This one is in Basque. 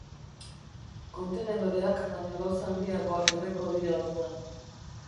Kontenedoreak baino gauza handiagoak erreko dira orduan.